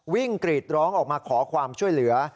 กรีดร้องออกมาขอความช่วยเหลือ